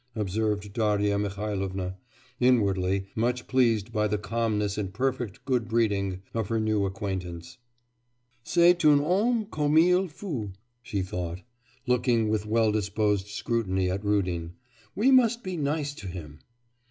observed Darya Mihailovna, inwardly much pleased by the calmness and perfect good breeding of her new acquaintance. 'C'est un homme comme il faut,' she thought, looking with well disposed scrutiny at Rudin; 'we must be nice to him!